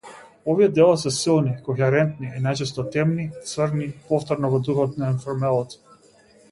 Овие дела се силни, кохерентни и најчесто темни, црни, повторно во духот на енформелот.